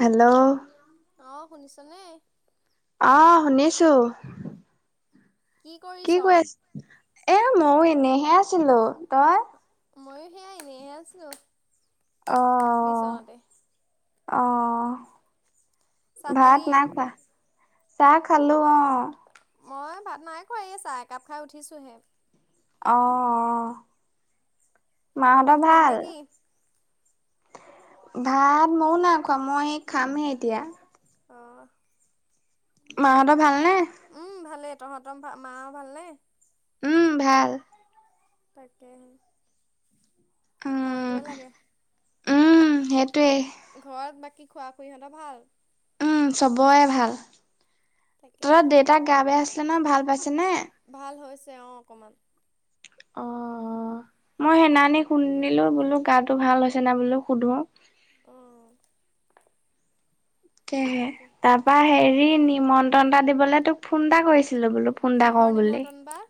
Hello অ শুনিছ নে অহ শুনিছো কি কৈ আছ এ মইও এনেইহে আছিলো তই মইও সেয়া এনেইহে আছো বিচনাতে অহ চাহ ভাত খালি নাই খোৱা চাহ খালোঁ অ মই ভাত নাই খোৱা এই চাহ একাপ খাই উঠিছোহে। অহ, তই ভাত মাহঁতৰ খালি নে ভাল? কি ভাত ময়ো নাই খোৱা মই খামহে এতিয়া। অঁহ। মাহঁতৰ ভাল নে? উম ভালেই তহঁতৰ মাও ভালনে? উম ভাল। তাকেহে- উম ভালটোৱে লাগে। উম সেইটোৱেই। ঘৰত বাকী খোৱা খুৰা খুৰীৰ ইহঁতৰ ভাল? উম চবৰে ভাল, তহতৰ তাকেহে দেউতাক গা বেয়া আছিলে নহয় ভাল পাইছেনে? ভাল হৈছে অ অকণমান। অ, মই সেনানী শুনিলো বোলো গাতো ভাল হৈছে না বোলো সুধো। অঁহ। তাকেহে, তাৰপা হেৰি নিমন্ত্ৰণটা দিবলৈ তোক ফোন এটা কৰিছিলো বোলো। ফোন এটা কৰো কিহৰ নিমন্ত্ৰণ বা?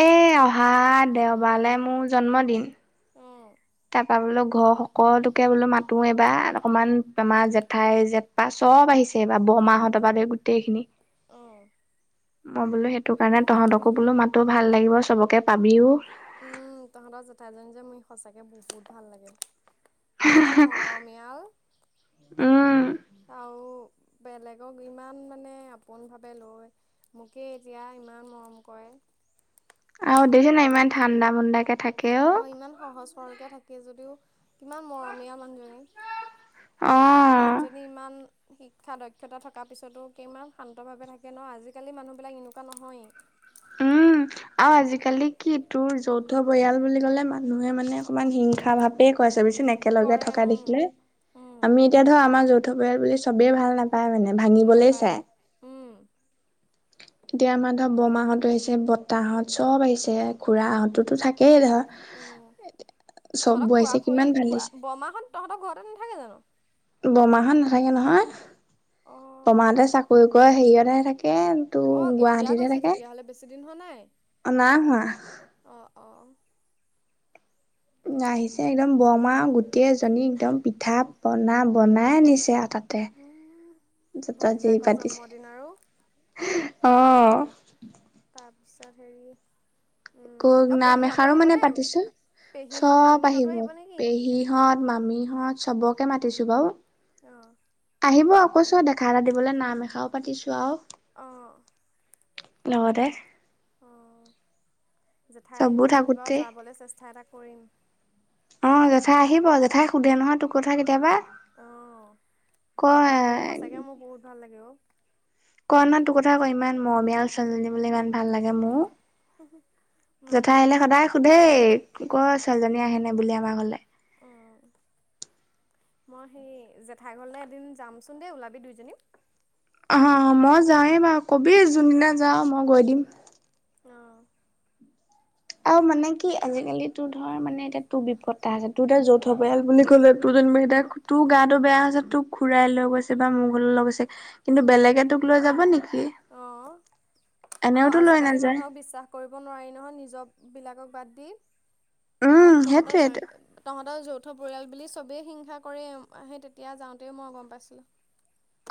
এই অহা দেওবাৰলৈ মোৰ জন্মদিন। অঁহ। তাৰপৰা বোলো ঘৰ সকলোকে বোলো মাতো এবাৰ অকমান আমাৰ জেঠাই জঠ- চব আহিছে এইবাৰ বৰমাহঁতৰ পৰা গোটেই খিনি। অঁহ। মই বোলো সেইটো কাৰণে তহঁতকো বোলো মাতো ভাল লাগিব চবকে পাবিও। উম তহঁতৰ জেঠাইজনী যে মোৰ সঁচাকে বহুত ভাল লাগে। ইমান মৰমীয়াল। উম আৰু [inaudible] বেলেগক ইমান মানে আপোন ভাৱে লৈ মোকে এতিয়া ইমান মৰম কৰে। আৰু দেখিচানে নাই ইমান ঠাণ্ডা মুণ্ডা কে থাকে। অ। অঁহ ইমান সহজ সৰলকৈ থাকে যদিও কিমান মৰমীয়া মানুহজনী। অ মানুহজনী ইমান শিক্ষা দক্ষতা থকাৰ পিছতো কিমান শান্তভাৱে থাকে ন' আজিকালি মানুহবিলাক এনেকুৱা নহয়েই। উম। আৰু আজিকালি কি তোৰ যৌথ পৰিয়াল বুলি কলে মানুহে মানে অকমান হিংসা ভাপেই কৰে চাবিচোন- একেলগে কৰে থকা উম দেখিলে, উম আমি- এতিয়া ধৰ আমাৰ যৌথ পৰিয়াল বুলি চবেই ভাল নাপায় মানে ভাঙিবলৈই নেপায় চায়। উম এতিয়া আমাৰ ধৰ বৰমাহঁতো আহিছে বতাহঁত চব আহিছে খুৰাহঁতোতো থাকেই ধৰ। উম, চববোৰ তহঁতক খুৰা আহিছে খুৰী কিমান ভাল খুৰা লাগিছে বৰমাহঁত তহঁতৰ ঘৰতে নাথাকে জানো? বৰমাহঁত নাথাকে নহয়, অঁ অঁ বৰমাহঁতে চাকৰি কৰে হেৰিয়তে থাকে তোৰ অ' এতিয়া গুৱাহাটীতহে গৈছে থাকে তেতিয়াহলে বেছি দিন হোৱা নাই, নাই হোৱা অ', অ' আহিছে একদম বৰমা গোটেই এজনী একদম পিঠা পনা বনাই আনিছে আৰু তাতে জত যি ভতিজাকৰ পাতিছে জন্মদিন আৰু অ', তাৰপিছত হেৰি উম কক অ নাম পেহীহঁতো এষাৰো মানে আহিবনে পাতিছো, পেহীহঁত চব মামীহঁতো আহিব নেকি পেহী সিহত মামিহঁত চবকে মাতিছো বাৰু, অঁ আহিব কৈছোঁ [unintelligible] এটা দিবলৈ নাম এষাও পাতিছোঁ আৰু অঁ' লগতে। অঁ', জেঠাই আহিব চববোৰ যদি বাৰু থাকোতে যাবলৈ চেষ্ঠা এটা কৰিম। অ', জেঠাই আহিব জেঠাই সোধে নহয় তোৰ কথা কেতিয়াবা। অ', কয় মানুহজনী সঁচাকৈ মোৰ বহুত ভাল লাগে অ'। কয় নহয় তোৰ কথা আকৌ ইমান মৰমীয়াল ছোৱালীজনী বুলে ইমান ভাল লাগে মোৰ। জেঠাই মানুহজনী আহিলে সদায় সোধেই কয় ছোৱালীজনী আহেনে বুলি আমাৰ ঘৰলে। অঁ [inaudible] মই সেই জেঠাইঘৰলৈ এদিন যামচোন দেই ওলাবি দুইজনী। অহ- অহ, মই যাওঁৱেই বাৰু ক'বি যোনদিনা যাওঁ মই গৈ দিম। অ' আৰু মানে কি আজিকালি তোৰ ধৰ মানে এতিয়া তোৰ বিপদ আছে তোৰ ধৰ যৌথ থ পৰিয়াল বুলি ক'লে টোৰ যেনিবা এটি তোৰ গাটো বেয়া হৈছে তোক খুৰাই লৈ গৈছে বা মোক হলেও লৈ গৈছে। কিন্তু বেলেগে তোক লৈ যাব নেকি অঁ আৰু এনেওতো লৈ আজিকালি নাযায়। মানুহক বিশ্বাস কৰিব নোৱাৰি নহয় নিজৰ বিলাকক বাদ দি উম আৰু তহঁতৰ সেইটোয়েতো জইন তহঁতৰ যৌথ পৰিয়াল বুলি চবেই হিংসা কৰে হেই তেতিয়া যাওঁতে মই গম পাইছিলোঁ।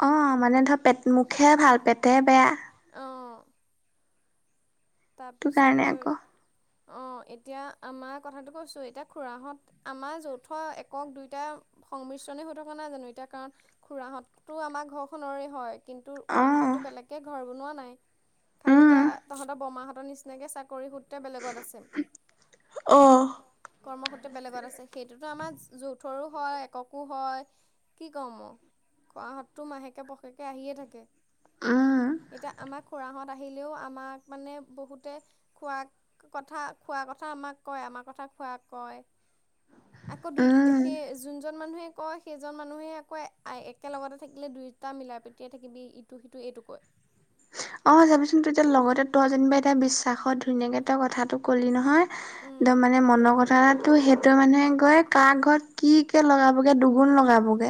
অঁ', মানে ধৰ পেট মুখে ভাল পেটে বেয়া। অ'। সেইটো তাৰপিছত কাৰণে ধৰি আকৌ অঁ', এতিয়া আমাৰ কথাটো কৈছোঁ এতিয়া খুৰাহঁত আমাৰ যৌথ একক দুইটা সংমিশ্ৰণেই হৈ থকা নাই জানো এতিয়া কাৰণ খুৰাহঁততো আমাৰ ঘৰখনৰে হয়। কিন্তু অ খুৰাহঁততো বেলেগকে ঘৰ বনোৱা নাই খালী এতিয়া উম তহ ত বৰমাহতৰ নিচিনাকৈ চাকৰি সূত্ৰে বেলেগত আছে। অ'। কৰ্মসূত্ৰে বেলেগত আছে সেইটোতো আমাৰ যৌথৰো হয় এককো হয়। কি কম মই খুৰাহতটো মাহেকে পষেকে আহিয়ে থাকে। উম এতিয়া আমাৰ খুৰাহত আহিলেও আমাক মানে বহুতে খুৰা কথা খুৰা কথা আমাক কয় আমাৰ কথা খুৰাক কয়। আকৌ দুই উম সেই যোনজন মানুহে কয় সেইজন মানুহে আকৌ একেলগতে থাকিলে দুয়োটা মিলা- প্ৰীতিয়ে থাকিবি ইটো সিটো এইটো কয়। অ', চাবিচোন তেতিয়া লগতে তই যেনিবা এতিয়া বিশ্বাসত ধুনীয়াকে তই কথাটো ক'লি নহয় একদম মানে মনৰ কথাটো সেইটোৱে মানে গৈ কাৰ ঘৰত কি তে লগাবগে দুগুণ লগাবগে।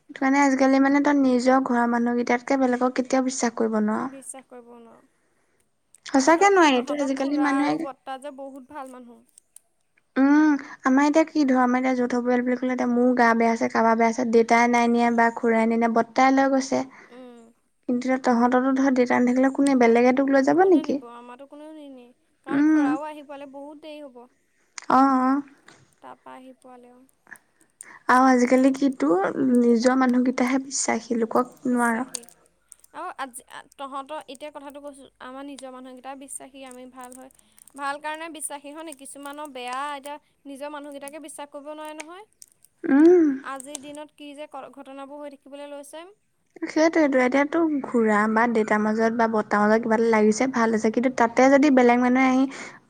সেইটো কাৰণে আজিকালি মানে তই নিজৰ ঘৰৰ মানুহকেইটাতকে বেলেগক কেতিয়াও বিশ্বাস কৰিব নোৱাৰ। বিশ্বাস কৰিব নোৱাৰ সঁচাকে তহঁতৰ নোৱাৰি তো -তহঁতৰ আজিকালি খুৰা আৰু মানুহে বৰ্ত তা যে বহুত ভাল মানুহ। উম আমাৰ এতিয়া কি ধৰ আমাৰ এতিয়া যৌথ পৰিাল বুলি ক'লে এতিয়া মোৰ গা বেয়া আছে কাৰোবাৰ বেয়া আছে ডেত তাই নাই নিয়া বা খুৰাই নাই নিয়া বৰ্তাই লৈ গৈছে উম। কিন্তু ত তহঁতটো ধৰ দেউতা নাথাকিলে কোনে বেলেগে তোক লৈ যাব কোনে নেকি নিব আমাৰতো কোনেও নিনিয়ে কাৰণ উম খুৰাও আহি পুৱালে বহুত দেৰি হ'ব। অঁ', অঁ'। তাৰপৰা আহি পোৱালেও। আৰু আজিকালি কি তোৰ নিজৰ মানুহকেইটাহে বিশ্বাসী। লোকক নোৱাৰ। বিশ্বাসী অ আজি তহঁতৰ এতিয়া কথাটো কৈছোঁ আমাৰ নিজৰ মানুহকেইটটা বিশ্বাসী আমি ভাল হয়। ভাল কাৰণে বিশ্বাসী হ নি, কিছুমানৰ বেয়া এতিয়া নিজৰ মানুহকেইটাকে বিশ্বাস কৰিব নোৱাৰে নহয়? উম আজিৰ দিনত কি যে ক ঘটনাবোৰ হৈ থাকিবলৈ লৈছে। সেইটোৱেইটো এতিয়াতো ঘোৰা বা দেতাৰ মাজত বা বৰতাৰ মাজত কিবা এটা লাগিছে ভাল হৈছে। কিন্তু তাতে যদি বেলেগ মানুহে আহি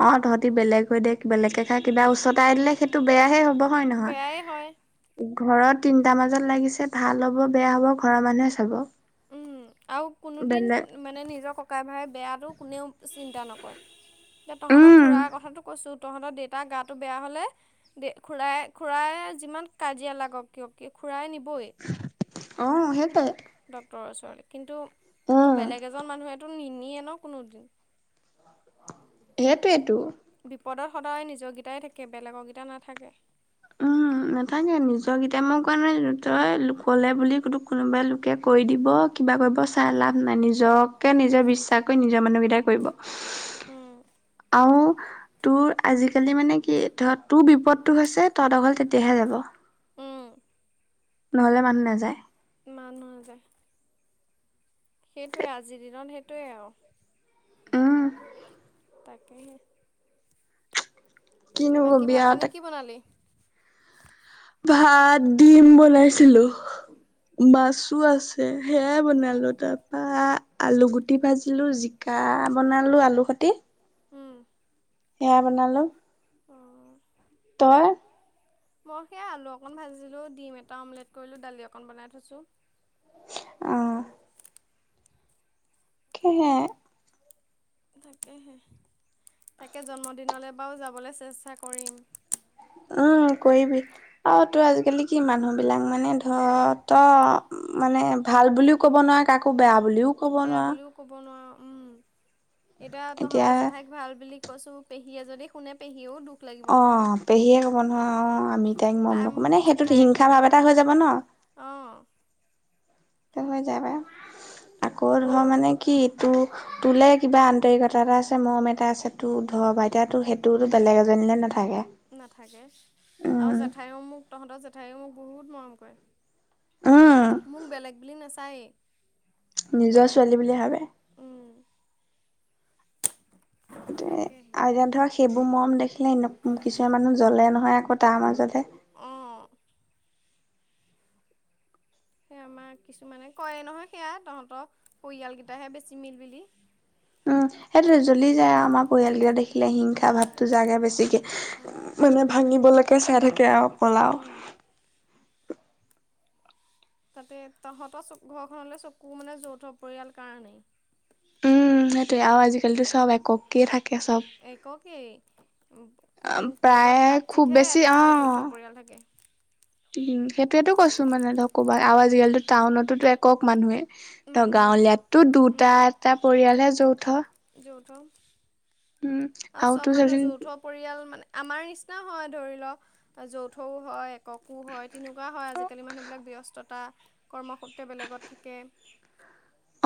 অ তহঁতি বেলেগ হৈ দিয়ে বেলেগকে খাই কিবা ওছটাই দিলে সেইটো বেয়াহে হ'ব হয় নহয়? বেয়াই হয় ঘৰত তিনটা মাজত লাগিছে ভাল হব বেয়া হব ঘৰৰ মানুহে চাব। উম, আৰু কোনোদিন বেলেগ মানে নিজৰ ককাই ভাই বেয়াটো কোনেও চিন্তা নকৰে, এতিয়া তহঁতক উম, খুৰাৰ কথাটো কৈছোঁ তহঁতৰ দেউতাৰ গাটো বেয়া হ'লে দে খোৰাই খোৰাই যিমান কাজিয়া লাগক কিয়, খোৰাই নিবই। অ সেইটাই ডক্টৰৰ ওচৰলৈ। কিন্তু তো বেলেগ এজন মানুহেতো নিনিয়ে ন কোনোদিন? সেইটোৱেইেটো বিপদত সদায় নিজৰকেইটাই থাকে বেলেগকেইটা নাথাকে। উম নাথাকে নিজকেইটাই মই কোৱা নাই তই লোক'লে বুলি তোক কোনোবাই লোকে কৈ দিব কিবা কৰিব চাই লাভ নাই, নিজকে নিজৰ বিশ্বাস কৰি নিজৰ মানুহকেইটাই কৰিব। উম আৰু তোৰ আজিকালি মানে কি ধ তোৰ বিপদটো হৈছে তহঁতৰ ঘৰলে তেতিয়াহে যাব। উম নহ'লে মানুহ নাযায়। মানুহ নাযায়। সেইটোৱে আজিৰ দিনত সেইটোৱে আৰু। উম, তাকেহে কিনো বাকী কবি ভাত আৰু পানী তাক কি বনালি? ভাত দিম বলাইছিলো। মাছো আছে, সেয়াই বনালো তাৰপা আলু গুটি ভাজিলো। কাহ বনালোঁ আলু কাতি উম সেয়া বনালোঁ তই? মই সেইয়া আলু অকণ ভাজিলোঁ, ডিম এটা অমলেট কৰিলোঁ, দালি অকণ বনাই থৈছোঁ। অ কিহে? তাকেহে, তাকে জন্মদিনলৈ বাৰু যাবলৈ চেষ্টা কৰিম। উম কৰিবি। আৰু তোৰ আজিকালি কি মানুহ বিলাক মানে ধৰ তো মানে ভাল বুলিও ক'ব নোৱাৰা কাকো বেয়া বুলিও ক'ব বেয়া নোৱাৰা। বুলিও ক'ব নোৱাৰ উম। এতিয়া তহঁতৰ জেঠাইক ভাল বুলি কৈছো, পেহীয়ে যদি শুনে পেহীও দুখ লাগিব অ নহয়। পেহীয়ে ক'ব নহয় অ আমি তাইক মৰম নকৰোঁ, মানে তাই সেইটোত হিংসা ভাৱ এটা হৈ যাব ন? অ। টো হৈ যায় পাই সেইটোৱে আকৌ ধৰ মানে কি টো তোলে কিবা আন্তৰিকতা এটা আছে মৰম এটা আছে তোৰ ধ বা এতিয়াতো সেইটোতো বেলেগ এজনীলে নাথাকে। নাথাকে আৰু উম জেঠায়ো মোক তহঁতৰ জেঠাইো মোক বহুত মৰম কৰে। উম মোক বেলেগ বুলি নেচায়ে নিজৰ ছোৱালী বুলি ভাবে। উম। সেটোৱে তাকেহে। আ এতিয়া ধৰ সেইবোৰ মৰম দেখিলে এনোক কিছুমান মানুহ জ্বলে নহয় আকৌ তাৰ মাজতে অ। সেয়া আমাক কিছুমানে কয় নহয় সেয়া তহঁতৰ পৰিয়ালগিটাহে বেছি মিল বুলি। উম সেইটোৱে জ্বলি যায় আমাৰ পৰিয়ালগিটা দেখি। হিলে হিংসা উম ভাৱটো জাগে বেছিকে উম মানে ভাঙিবলেকে চাই থাকে আৰু ক'লাও। উম। তাতে তহঁতৰ চ ঘৰখনলে চকু মানে যৌথ পৰিয়াল কাৰণেই। উম সেইটোৱে আও আজিকালিতো সব একককে থাকে সব। এককেই কু ক'ৰবাত প্ৰায় খুব কাটচিতহে বেছি এটা অ যৌথ পৰিয়াল থাকে। উম সেটোৱেতো কৈছো মানে ন কবা আওকালিতো টাউনতো একক মানুহে। ত মানুহে। গাঁৱলীয়াতটো দুটা এটা পৰিয়ালহে যৌথ। যৌথৱ উম আৰু আৰু চব তোৰ মানুহ চাবিচোন যৌথৱ পৰিয়াল মানে আমাৰ নিচিনাও হয় ধৰি ল যৌথও হয়। ককু হয় তেনেকুৱা হয় আজিকালি মানুহবিলাক ব্যস্ততা কৰ্মসূত্ৰে বেলেগত থাকে।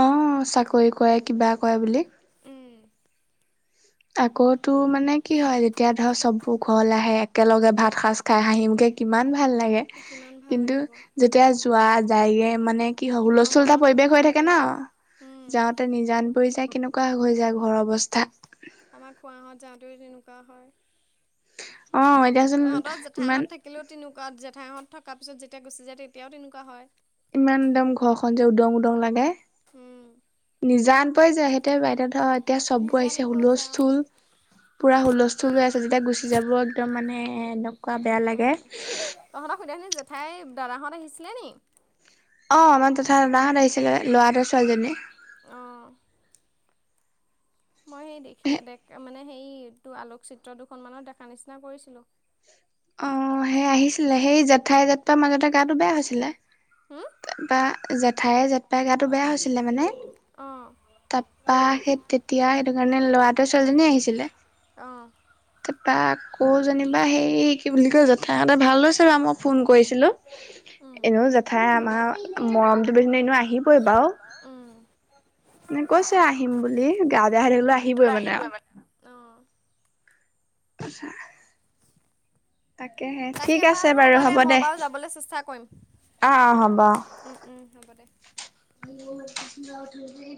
অ চাকৰি কৰে কিবা কৰে বুলি। উম। আকৌ তো মানে কি হয় যেতিয়া ধৰ চববো ঘৰলে আহে। একেলগে ভাত সাজ খাই হাঁহিমুখে কিমান ভাল লাগে। কিমান ভাল কিন্তু লাগে বাৰু তিয়া যোৱা যায়গে মানে কি হয় কিমান হুলস্থুল এটা মনত কিমান পৰিৱেশ হৈ দুখ থাকে লাগে ন উম, যাওঁতে নিজান যায় কেনেকুৱা হৈ যায় ঘৰৰ অৱস্থা। আমাৰ খোৱাহঁত যাওঁতে তেনেকুৱা হয়। অ। এতিয়াচোন তহঁতৰ ইমান জেঠাইহঁত থাকিলেও তেনেকুৱা জেঠাইহঁত থকাৰ পিছত যেতিয়া গুচি যায় তেতিয়াও তেনেকুৱা হয়। ইমান দম ঘৰখন যে উদং উদং লাগে। উ। নিজান পই যায় সেটোৱে বাইদেউ ধ- এতিয়া চবোৰ আহিছে নিজানপুৰ যাওঁ। হুলস্থুল, পুৰা হুলস্থুল হৈ আছে। যেতিয়া গুচি যাব একদম মানে এনেকুৱা বেয়া লাগে। উম, তহঁতক সুধেনি জেঠাই দাদাহঁত আহিছিলে নি? অ আমাৰ তথা নাহত আহিছিলে ল'ৰাটো ছোৱীজনী। অ। মই সেই দেখি মানে সেইটো আলোকচিত্ৰ দুখনমানৰ দেখা নিচিনা কৰিছিলো। অ সেই আহিছিলে সেই জেঠাই জেততা মাজতে গাটো বেয়া হৈছিলে। হুম, [unintelligible] পা জেঠাই জেঠপাই গাটো বেয়া হৈছিলে মানে অ। তা পা সেই তেতিয়া সেইটো কাৰণে লৰাটোৱে ছোৱালীজনী আহিছিলে। অঁ, তা পা কৌ যেনিবা সেই কি বুলি কয় জেঠাহঁত ভাল হৈছে বা আমোক ফোন কৰিছিলো। উম। এনেও জেঠাই আমাৰ মৰমটো বেহনে এনেও আহিবই বাও। বাও উম মানে কৈছে আহিম বুলি গা বেয়া হৈ থাকিলো আহি থাকিলো আহিবই মানে অহ আচ্ছা। তাকেহে তাকে বাৰু হ'ব দে মই বাৰু যাবলৈ চেষ্টা কৰিম অ' অ' অহ হ'ব অ'। অহ হ'ব উম উম হ'ব দে।